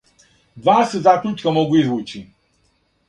Два се закључка могу извући.